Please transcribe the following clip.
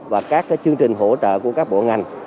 và các chương trình hỗ trợ của các bộ ngành